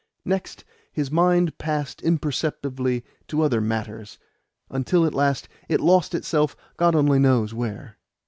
Next, his mind passed imperceptibly to other matters, until at last it lost itself God only knows where.